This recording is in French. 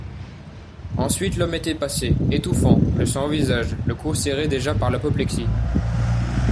Ensuite Lhomme était passé, étouffant, le sang au visage, le cou serré déjà par l'apoplexie.